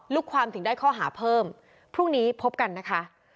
ลูกความถึงได้ข้อหาเพิ่มพรุ่งนี้พบกันนะคะ